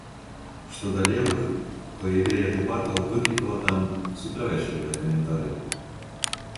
Што да левых, то ідэя дэбатаў выклікала там супярэчлівыя каментары.